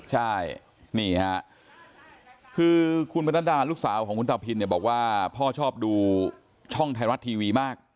ใช่นี่ฮะคือคุณบรรนัดดาลูกสาวของคุณตาพินเนี่ยบอกว่าพ่อชอบดูช่องไทยรัฐทีวีมาก